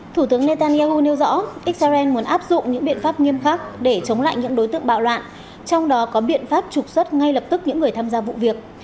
thủ tướng netanyahu nêu rõ israel muốn áp dụng những biện pháp nghiêm khắc để chống lại những đối tượng bạo loạn trong đó có biện pháp trục xuất ngay lập tức những người tham gia vụ việc